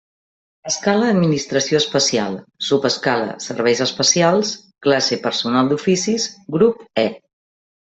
Escala administració especial, subescala serveis especials, classe personal d'oficis, grup E.